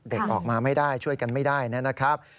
ออกมาไม่ได้ช่วยกันไม่ได้นะครับ